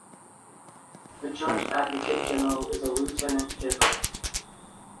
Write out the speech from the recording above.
The Judge Advocate General is a lieutenant general.